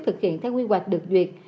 thực hiện theo quy hoạch được duyệt